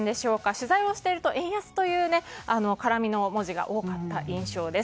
取材をしていると円安絡みの文字が多かった印象です。